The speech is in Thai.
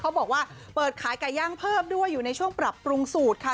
บอกว่าเปิดขายไก่ย่างเพิ่มด้วยอยู่ในช่วงปรับปรุงสูตรค่ะ